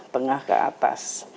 tengah ke atas